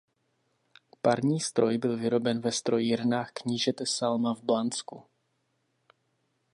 Parní stroj byl vyroben ve Strojírnách knížete Salma v Blansku.